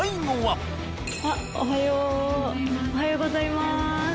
おはようございます。